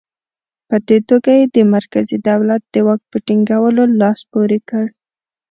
په دې توګه یې د مرکزي دولت د واک په ټینګولو لاس پورې کړ.